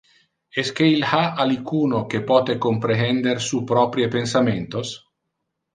Esque il ha alicuno que pote comprehender su proprie pensamentos?